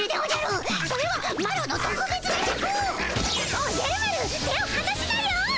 おじゃる丸手をはなしなよ。